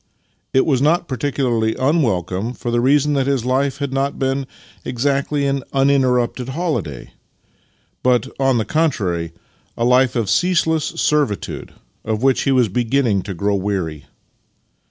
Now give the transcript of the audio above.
It was not particu larly unwelcom.e, for the reason that his life had not been exactly an uninterrupted holiday, but, on the contrary, a life of ceaseless servitude, of which he was beginning to groNV weary.